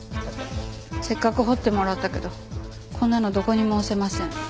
せっかく彫ってもらったけどこんなのどこにも押せません。